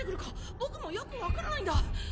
僕もよく分からないんだ。